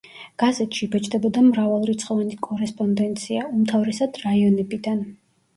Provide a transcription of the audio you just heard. გაზეთში იბეჭდებოდა მრავალრიცხოვანი კორესპონდენცია, უმთავრესად რაიონებიდან.